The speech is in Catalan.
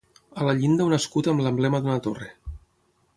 A la llinda un escut amb l'emblema d'una torre.